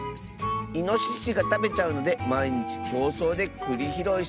いのししがたべちゃうのでまいにちきょうそうでくりひろいしてたみたいだよ。